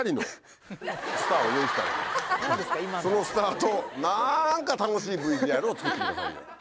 そのスターとなんか楽しいＶＴＲを作ってくださいよ。